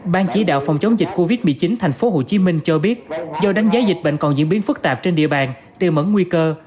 ban chỉ đạo phòng chống dịch covid một mươi chín tp hcm cho biết do đánh giá dịch bệnh còn diễn biến phức tạp trên địa bàn tiềm mẫn nguy cơ